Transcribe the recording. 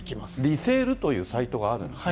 リセールというサイトがあるんですね。